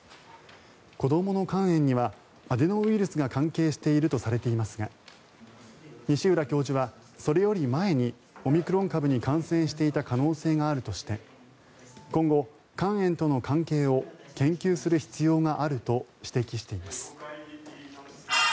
子どもの肝炎にはアデノウイルスが関係しているとされていますが西浦教授はそれより前にオミクロン株に感染していた可能性があるとして今後、肝炎との関係を研究する必要があると指摘しています。